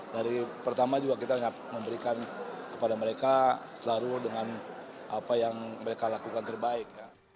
dari pertama juga kita memberikan kepada mereka selalu dengan apa yang mereka lakukan terbaik